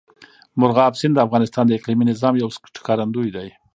مورغاب سیند د افغانستان د اقلیمي نظام یو ښکارندوی دی.